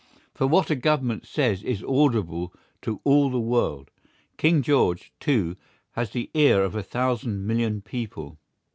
For what a Government says is audible to all the world. King George, too, has the ear of a thousand million people.